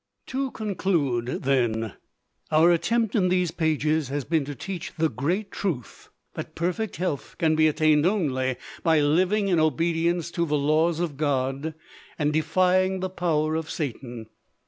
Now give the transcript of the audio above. To conclude, then our attempt in these pages has been to teach the great truth that perfect health can be attained only by living in obedience to the laws of God, and defying the power of Satan.